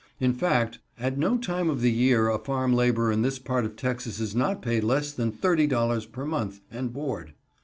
In fact, at no time of the year a farm laborer in this part of Texas is not paid less than $30.00 per month and board.